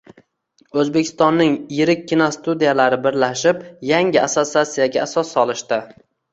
Oʻzbekistonning yirik kinostudiyalari birlashib, yangi assotsiatsiyaga asos solishdi